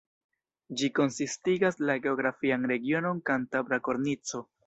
Ĝi konsistigas la geografian regionon Kantabra Kornico.